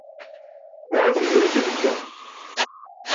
Ahat drus i tegganeḍ.